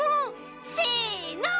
せの！